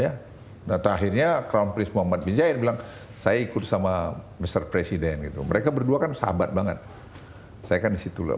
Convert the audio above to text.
ya nah akhirnya kronprins muhammad bin zaid bilang saya ikut sama mr presiden gitu mereka berdua kan sahabat banget saya kan di situ lah